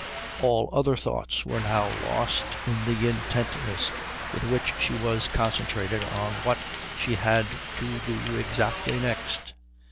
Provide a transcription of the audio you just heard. All other thoughts were now lost in the intentness with which she was concentrated on what she had to do exactly next.